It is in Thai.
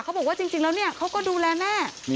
เขาบอกว่าจริงแล้วเนี่ยเขาก็ดูแลแม่